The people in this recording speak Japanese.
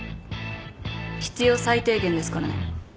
必要最低限ですからね。